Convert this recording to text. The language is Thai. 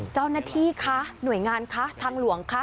เจ้าหน้าที่หน่วยงานทางหลวง